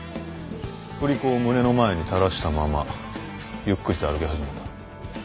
振り子を胸の前に垂らしたままゆっくりと歩き始めた。